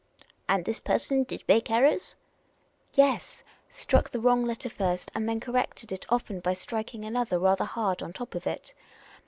" And this person did make errors ?"" Yes ; struck the wrong letter first, and then corrected it often by striking another rather hard on top of it.